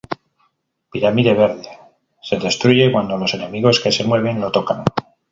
Pirámide Verde: Se destruye cuando los enemigos que se mueven lo tocan.